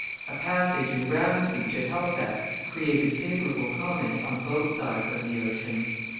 A passage in Brown's speech at Halifax created favourable comment on both sides of the ocean.